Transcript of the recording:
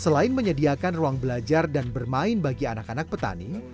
selain menyediakan ruang belajar dan bermain bagi anak anak petani